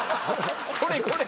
これこれ。